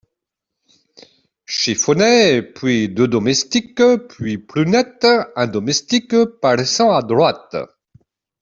Chiffonnet ; puis deux domestiques ; puis Prunette Un domestique , paraissant à droite.